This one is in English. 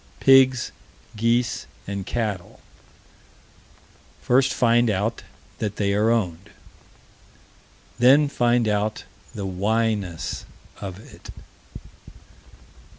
Pigs, geese, and cattle. First find out that they are owned. Then find out the whyness of it.